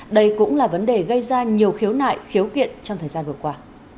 đây cũng là vấn đề gây ra nhiều khiếu nại khiếu kiện trong thời gian vừa qua